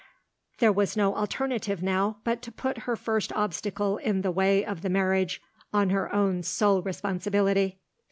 There was no alternative now but to put her first obstacle in the way of the marriage, on her own sole responsibility.